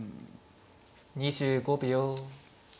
２５秒。